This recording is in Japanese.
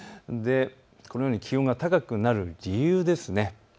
このように気温が高くなる理由です。